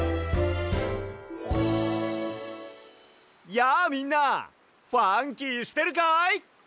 やあみんなファンキーしてるかい？